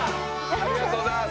ありがとうございます。